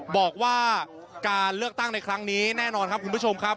บอกว่าการเลือกตั้งในครั้งนี้แน่นอนครับคุณผู้ชมครับ